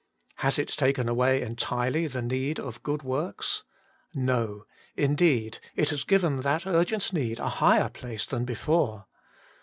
Has it taken away entirely the need of good works? No, indeed, it has given that urgent need a higher place than before.